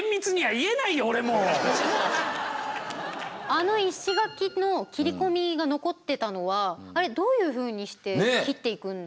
あの石垣の切り込みが残ってたのはあれどういうふうにして切っていくんですか。